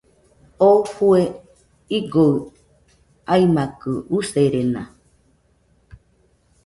Oo jue igoɨ aimakɨ userena.